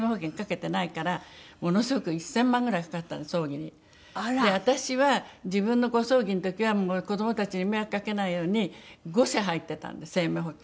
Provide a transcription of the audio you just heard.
で私は自分のご葬儀の時はもう子どもたちに迷惑かけないように５社入ってたんです生命保険。